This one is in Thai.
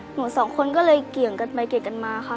หนูสองคนก็เลยเกี่ยงกันไปเกี่ยงกันมาค่ะ